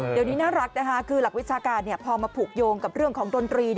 เดี๋ยวนี้น่ารักนะคะคือหลักวิชาการพอมาผูกโยงกับเรื่องของดนตรี